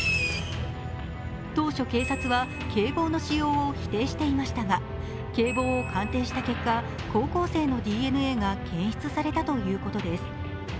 当初、警察は警棒の使用を否定していましたが、警棒を鑑定した結果、高校生のＤＮＡが検出されたということです。